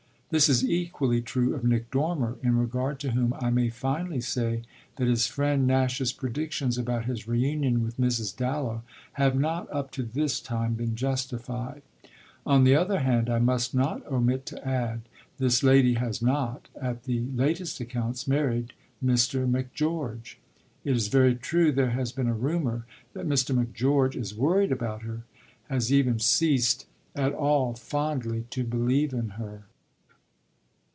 This is equally true of Nick Dormer, in regard to whom I may finally say that his friend Nash's predictions about his reunion with Mrs. Dallow have not up to this time been justified. On the other hand, I must not omit to add, this lady has not, at the latest accounts, married Mr. Macgeorge. It is very true there has been a rumour that Mr. Macgeorge is worried about her has even ceased at all fondly to believe in her.